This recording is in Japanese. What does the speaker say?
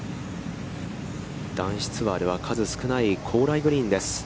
男子ツアーでは、数少ない高麗グリーンです。